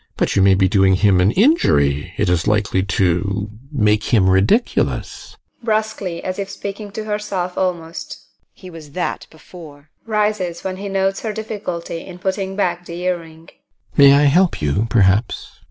But you may be doing him an injury. It is likely to make him ridiculous. TEKLA. [Brusquely, as if speaking to herself almost] He was that before! GUSTAV. [Rises when he notes her difficulty in putting back the ear ring] May I help you, perhaps?